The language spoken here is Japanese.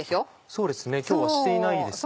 そうですね今日はしていないですね。